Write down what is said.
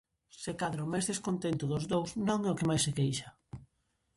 Se cadra o máis descontento dos dous non é o que máis se queixa.